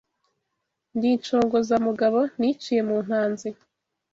Ndi inshogozamugabo, niciye mu ntanzi